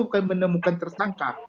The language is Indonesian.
bukan menemukan tersangka